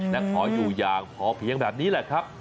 และขออยู่อย่างพอเพียงแบบนี้แหละครับ